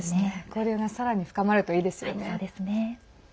交流がさらに深まるといいですよね。